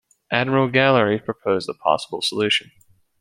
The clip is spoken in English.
Admiral Gallery proposed a possible solution.